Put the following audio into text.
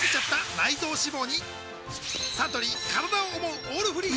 サントリー「からだを想うオールフリー」